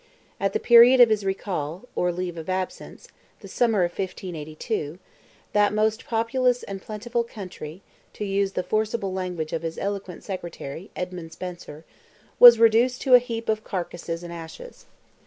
At the period of his recall—or leave of absence—the summer of 1582, that "most populous and plentiful country," to use the forcible language of his eloquent Secretary, Edmund Spenser, was reduced to "a heap of carcasses and ashes."